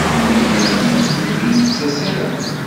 Yenna-iyi-d ur d-yettas ara.